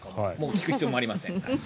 聞く必要もありません。